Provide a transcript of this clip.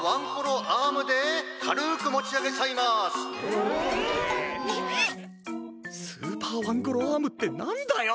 こころのこえスーパーワンコロアームってなんだよ！